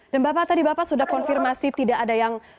dan bapak tadi bapak sudah konfirmasi tidak ada yang